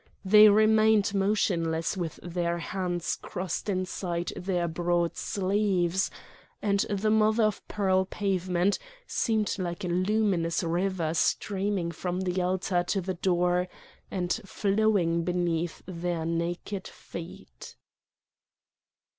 They remained motionless with their hands crossed inside their broad sleeves, and the mother of pearl pavement seemed like a luminous river streaming from the altar to the door and flowing beneath their naked feet.